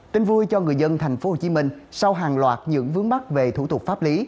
tin vui cho người dân thành phố hồ chí minh sau hàng loạt những vướng mắt về thủ tục pháp lý